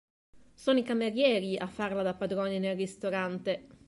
Sono i camerieri a farla da padroni nel ristorante.